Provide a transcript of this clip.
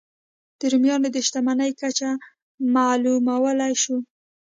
د رومیانو د شتمنۍ کچه معلومولای شو.